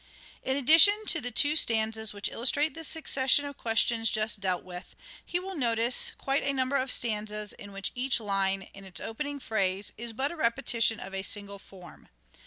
In addition to the two stanzas which illustrate the succession of questions just dealt with, he will notice quite a number of stanzas in which each line, in its opening phrase, is but the repetition of a single form.